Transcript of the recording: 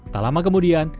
tak lama kemudian